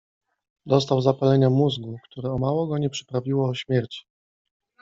Dostał zapalenia mózgu, które o mało go nie przyprawiło o śmierć.